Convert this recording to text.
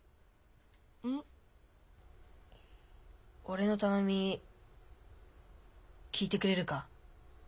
俺の頼み聞いてくれるか？